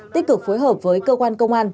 tích cực phối hợp với cơ quan công an